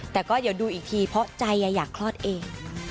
แต่ก็เดี๋ยวดูอีกทีเพราะใจอยากคลอดเอง